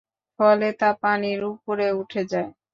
ফলে তা পানির উপরে উঠে যায়।